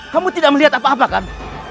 kamu tidak melihat apa apa kan